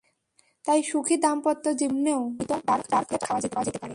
তাই সুখী দাম্পত্য জীবনের জন্যও নিয়মিত ডার্ক চকলেট খাওয়া যেতে পারে।